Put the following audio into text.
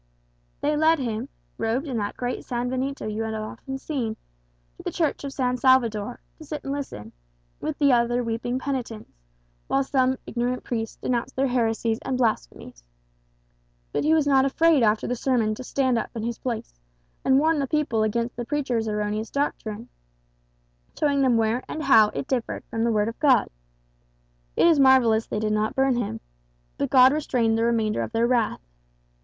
"They led him, robed in that great sanbenito you have often seen, to the Church of San Salvador, to sit and listen, with the other weeping penitents, while some ignorant priest denounced their heresies and blasphemies. But he was not afraid after the sermon to stand up in his place, and warn the people against the preacher's erroneous doctrine, showing them where and how it differed from the Word of God. It is marvellous they did not burn him; but God restrained the remainder of their wrath.